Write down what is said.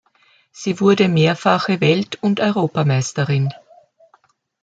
Sie wurde mehrfache Welt- und Europameisterin.